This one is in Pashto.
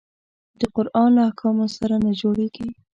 د قرآن له احکامو سره نه جوړیږي.